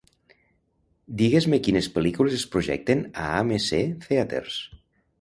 Digues-me quines pel·lícules es projecten a AMC Theatres.